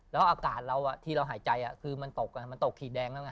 แล้วอากาศเราที่เราหายใจคือมันตกมันตกถี่แดงแล้วไง